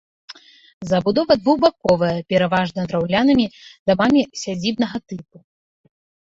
Забудова двухбаковая, пераважна драўлянымі дамамі сядзібнага тыпу.